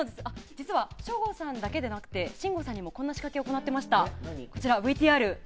実は省吾さんだけではなくて信五さんにもこんな仕掛けを行っていました。